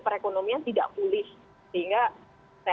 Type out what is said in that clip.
perekonomian tidak pulih sehingga saya